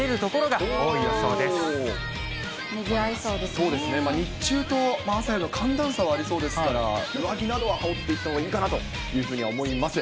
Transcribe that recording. そうですね、日中と、朝の寒暖差はありそうですから、上着などは羽織っていったほうがいいかなというふうに思います。